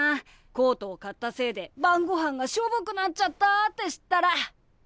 コートを買ったせいで晩ごはんがしょぼくなっちゃったって知ったら。